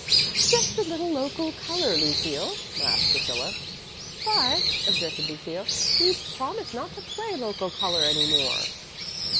"Just a little local color, Lucille," laughed Priscilla. "But," objected Lucille, "we'd promised not to play local color any more."